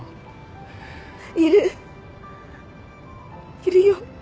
いるよ。